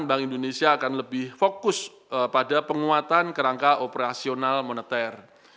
bank indonesia akan lebih fokus pada penguatan kerangka operasional moneter